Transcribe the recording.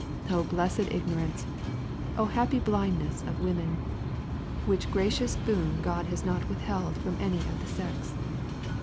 O blessed ignorance O happy blindness of women! which gracious boon God has not withheld from any of the sex.